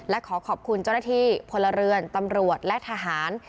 และขอขอบคุณเจ้าหน้าที่พลเรือนตำรวจและทหาร